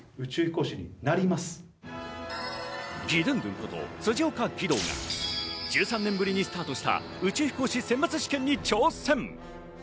ギドゥンドゥンこと辻岡義堂が１３年ぶりにスタートした宇宙飛行士選抜試験に挑戦。